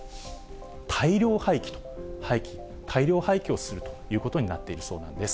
大量廃棄と、廃棄、大量廃棄をするということになっているそうなんです。